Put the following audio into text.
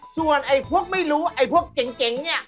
ส่วนไอ้พวกไม่รู้ไอ้พวกเจ๋งเนี่ย